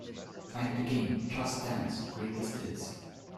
Find the game Just Dance Greatest Hits